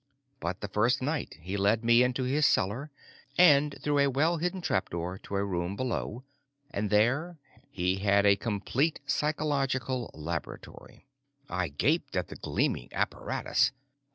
But the first night he led me into his cellar, and through a well hidden trapdoor to a room below, and there he had a complete psychological laboratory. I gaped at the gleaming apparatus.